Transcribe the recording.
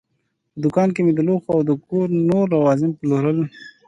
په دوکان کې مې د لوښو او د کور نور لوازم پلورل.